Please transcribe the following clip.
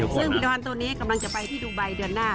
ซึ่งพิธีกรตัวนี้กำลังจะไปที่ดูไบเดือนหน้า